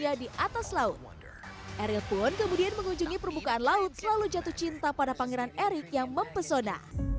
ariel pun kemudian mengunjungi permukaan laut lalu jatuh cinta pada pangeran eric yang mempesona